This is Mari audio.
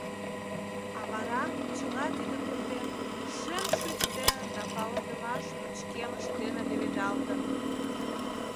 А вара чыла тиде кундем шем шӱч дене да палыдымаш пычкемыш дене леведалтын